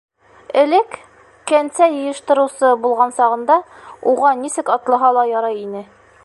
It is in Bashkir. Элек, кәнсә йыйыштырыусы булған сағында, уға нисек атлаһа ла ярай ине.